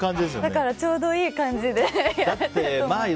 だから、ちょうどいい感じでやってます。